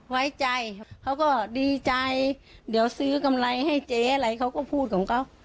ไว้ใจเขาก็ดีใจเดี๋ยวซื้อกำไรให้เจ๊อะไรเขาก็พูดของเขา